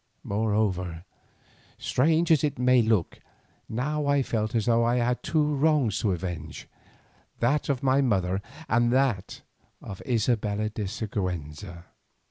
Moreover, strange as it may look, now I felt as though I had two wrongs to avenge, that of my mother and that of Isabella de Siguenza.